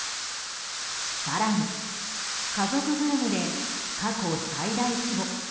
更に、家族ぐるみで過去最大規模